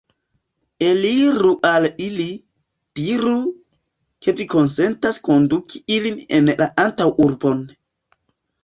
Eliru al ili, diru, ke vi konsentas konduki ilin en la antaŭurbon!